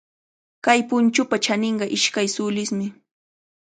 Kay punchupa chaninqa ishkay sulismi.